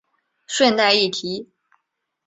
顺带一提